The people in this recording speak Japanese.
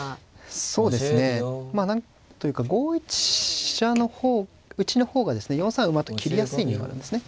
そうですね何というか５一飛車打の方がですね４三馬と切りやすい意味があるんですね。